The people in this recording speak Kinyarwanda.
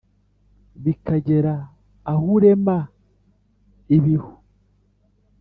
bikagera ahourema ibihu